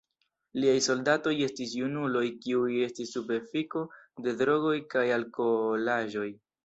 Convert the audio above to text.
Liaj soldatoj estis junuloj kiuj estis sub efiko de drogoj kaj alkoholaĵoj.